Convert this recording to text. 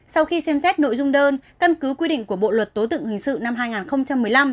sau khi xem xét nội dung đơn căn cứ quy định của bộ luật tố tụng hình sự năm hai nghìn một mươi năm